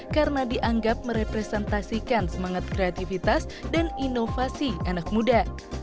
karena dianggap merepresentasikan semangat kreatifitas dan inovasi anak muda